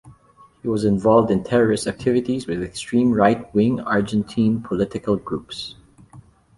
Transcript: He was involved in terrorist activities with extreme right-wing Argentine political groups.